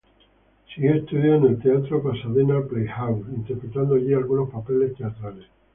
Siguió estudios en el Teatro Pasadena Playhouse, interpretando allí algunos papeles teatrales.